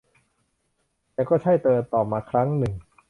แต่ก็ใช่ เธอตอบมาครั้งนึง